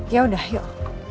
ya udah yuk